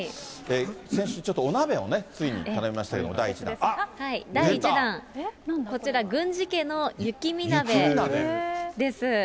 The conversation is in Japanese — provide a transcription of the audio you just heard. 先週ちょっとお鍋をね、ついに頼みましたけど、こちら、郡司家の雪見鍋です。